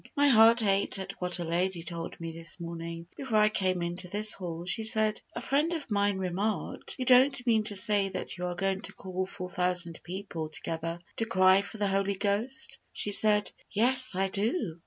My heart ached at what a lady told me this morning, before I came into this hall. She said, "A friend of mine remarked, 'You don't mean to say that you are going to call four thousand people together to cry for the Holy Ghost?' She said, 'Yes, I do.'